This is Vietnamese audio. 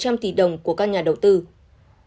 cơ quan tố tụng còn cáo buộc trịnh văn quyết